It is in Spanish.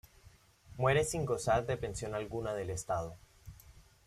Muere sin gozar de pensión alguna del Estado.